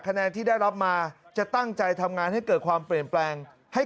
คะแนนที่ได้รับมาจะตั้งใจทำงานให้เกิดความเปลี่ยนแปลงให้